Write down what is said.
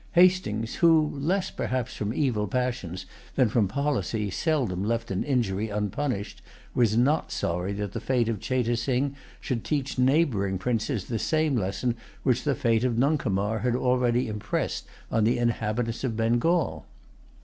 Hastings, who, less, perhaps, from evil passions than from policy, seldom left an injury unpunished, was not sorry that the fate of Cheyte Sing should teach neighboring princes the same lesson which the fate of Nuncomar had already impressed on the inhabitants of Bengal.